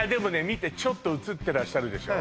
見てちょっと写ってらっしゃるでしょ